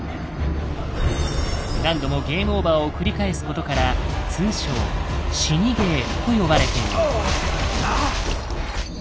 何度もゲームオーバーを繰り返すことから通称「死にゲー」と呼ばれている。